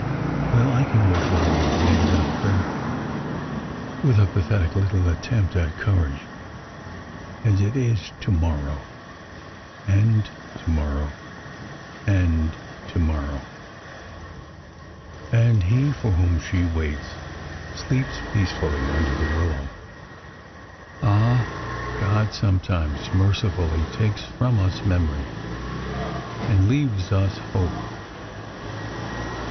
Well, I can wait one more day, Doctor, with a pathetic little attempt at courage. And it is to morrow and to morrow and to morrow ! And he for whom she waits sleeps peacefully under the willow. Ah ! God sometimes mercifully takes from us memory and leaves us hope!